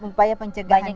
ya upaya pencegahan itu